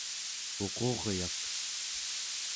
uquryak¹